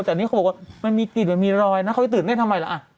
แต่นี่เขาบอกว่ามันมีกลิ่นมันมีรอยนะเขาจะตื่นเต้นทำไมล่ะ